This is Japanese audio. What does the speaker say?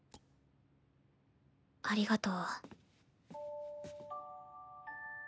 ありがとう。